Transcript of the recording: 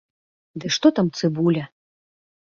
Ды што там цыбуля!